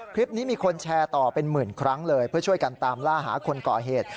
คลิปนี้มีคนแชร์ต่อเป็นหมื่นครั้งเลยเพื่อช่วยกันตามล่าหาคนก่อเหตุ